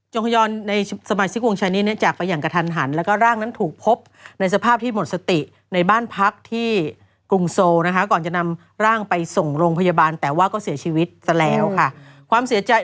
ฮยอนในสมาชิกวงชายนี้เนี่ยจากไปอย่างกระทันหันแล้วก็ร่างนั้นถูกพบในสภาพที่หมดสติในบ้านพักที่กรุงโซลนะคะก่อนจะนำร่างไปส่งโรงพยาบาลแต่ว่าก็เสียชีวิตซะแล้วค่ะความเสียใจ